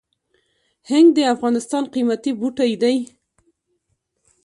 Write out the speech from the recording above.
هنګ د افغانستان قیمتي بوټی دی